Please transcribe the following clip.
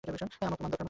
আমার প্রমাণ দরকার।